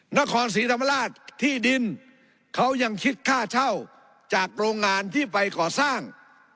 นครศรีธรรมราชที่ดินเขายังคิดค่าเช่าจากโรงงานที่ไปก่อสร้าง